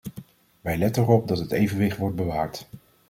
Wij letten erop dat het evenwicht wordt bewaard.